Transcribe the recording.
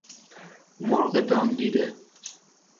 مرغ دام دیده